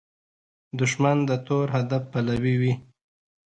دښمن د تور هدف پلوي وي